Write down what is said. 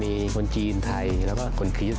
มีคนจีนไทยแล้วก็คนคริสต